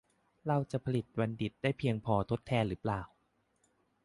เราจะผลิตบัณฑิตได้เพียงพอทดแทนหรือเปล่า ?